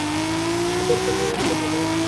দরকার নেই, একটা টিটেনাস ইনজেকশনই যথেষ্ট।